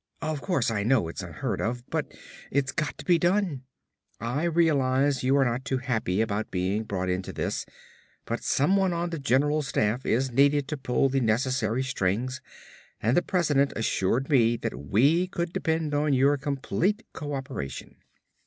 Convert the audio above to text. Of course I know it's unheard of but it's got to be done. I realize you are not too happy about being brought into this but someone on the General Staff is needed to pull the necessary strings and the President assured me that we could depend on your complete co operation."